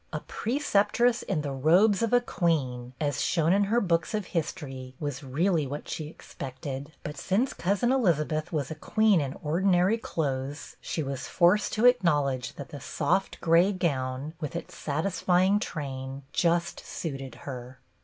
A preceptress in the robes of a queen, as shown in her books of history, was really what she expected ; but since Cousin Eliza beth was a queen in ordinary clothes, she was forced to acknowledge that the soft gray gown with its satisfying train just suited her.